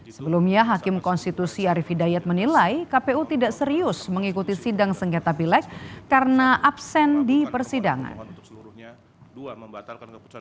sebelumnya hakim konstitusi arief hidayat menilai kpu tidak serius mengikuti sidang sengketa pilek karena absen di persidangan